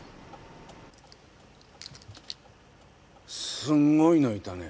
すんごいのいたね。